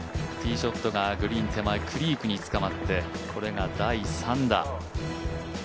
ティーショットがグリーン手前、クリークにつかまってこれが第３打。